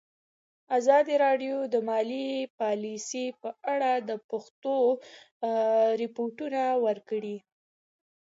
ازادي راډیو د مالي پالیسي په اړه د پېښو رپوټونه ورکړي.